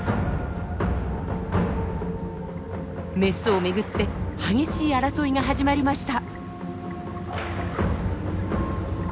メスを巡って激しい争いが始まりました。